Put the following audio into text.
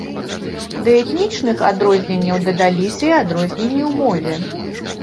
Да этнічных адрозненняў дадаліся і адрозненні ў мове.